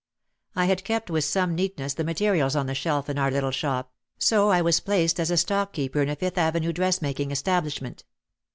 I had kept with some neatness the materials on the shelf in our little shop, so I was placed as a stock keeper in a Fifth Avenue dressmaking establishment.